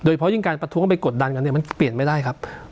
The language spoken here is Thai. เพราะยิ่งการประท้วงไปกดดันกันเนี่ยมันเปลี่ยนไม่ได้ครับ